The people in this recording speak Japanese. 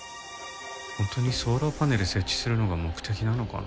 本当にソーラーパネル設置するのが目的なのかな？